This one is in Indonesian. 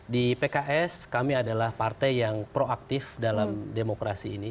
di pks kami adalah partai yang proaktif dalam demokrasi ini